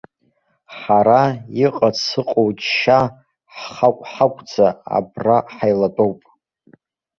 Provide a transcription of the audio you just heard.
Ҳара, иҟац ыҟоу џьшьа, ҳхаҟә-хаҟәӡа абра ҳаилатәоуп.